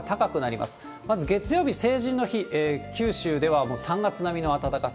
まず月曜日・成人の日、九州では３月並みの暖かさ。